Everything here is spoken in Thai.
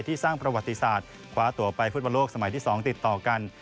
สร้างประวัติศาสตร์คว้าตัวไปฟุตบอลโลกสมัยที่๒ติดต่อกัน